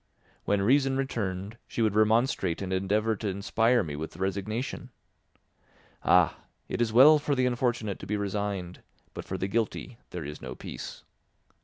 When reason returned, she would remonstrate and endeavour to inspire me with resignation. Ah! It is well for the unfortunate to be resigned, but for the guilty there is no peace.